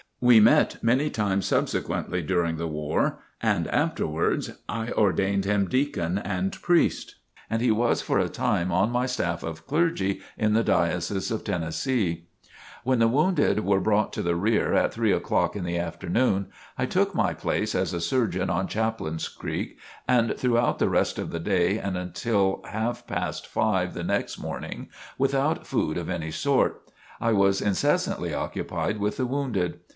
We met many times subsequently during the war and afterwards, I ordained him deacon and priest, and he was for a time on my staff of clergy in the Diocese of Tennessee. When the wounded were brought to the rear, at three o'clock in the afternoon, I took my place as a surgeon on Chaplain's Creek, and throughout the rest of the day and until half past five the next morning, without food of any sort, I was incessantly occupied with the wounded.